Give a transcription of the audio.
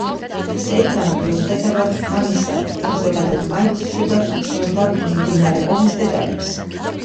სეიგანი, მიუხედავად ამისა, ზოგადად მაინც ცუდად იცნობდა მიმდინარე ომის დეტალებს.